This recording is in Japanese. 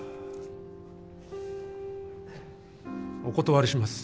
お断りします。